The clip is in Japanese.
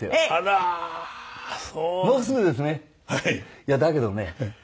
いやだけどね